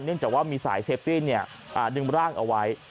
จากว่ามีสายเซฟตี้ดึงร่างเอาไว้